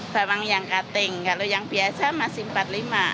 bawang yang kating kalau yang biasa masih empat lima